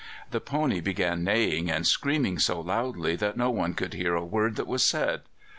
The pony began neighing and screaming so loudly that no one could hear a word that was said.